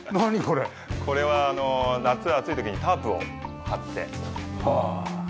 これは夏暑い時にタープを張って。